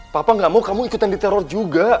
papa gak mau kamu ikutan diteror juga